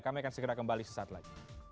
kami akan segera kembali sesaat lagi